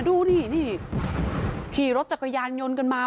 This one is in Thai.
ดูนี่นี่ขี่รถจักรยานยนต์กันมา